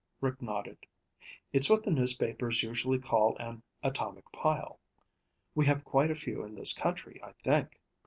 Rick nodded. "It's what the newspapers usually call an 'atomic pile.' We have quite a few in this country, I think.